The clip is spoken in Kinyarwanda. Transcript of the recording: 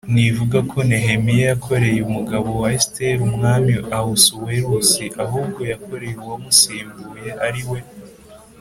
ntivuga ko Nehemiya yakoreye umugabo wa Esiteri Umwami Ahasuwerusi Ahubwo yakoreye uwamusimbuye ari we